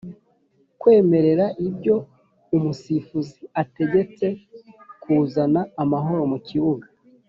kwemera ibyo umusifuzi ategetse kuzana amahoro mu kibuga